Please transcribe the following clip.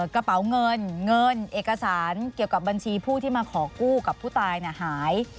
กระเป๋าเงินเงินเอกสารเกี่ยวกับบัญชีผู้ที่มาขอกู้กับผู้ตายหาย